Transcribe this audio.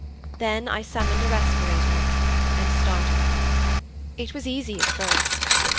Then I summoned a respirator, and started. 'It was easy at first.